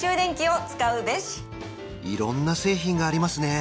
いろんな製品がありますね